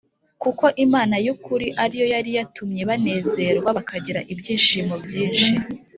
Kuko imana y ukuri ari yo yari yatumye banezerwa bakagira ibyishimo byinshi